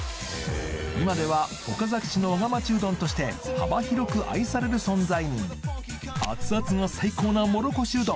今では岡崎市のわが町うどんとして幅広く愛される存在にアツアツが最高なもろこしうどん